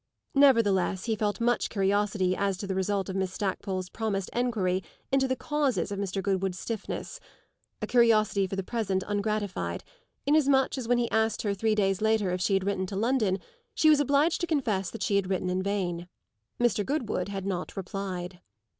Nevertheless he felt much curiosity as to the result of Miss Stackpole's promised enquiry into the causes of Mr. Goodwood's stiffness a curiosity for the present ungratified, inasmuch as when he asked her three days later if she had written to London she was obliged to confess she had written in vain. Mr. Goodwood had not replied.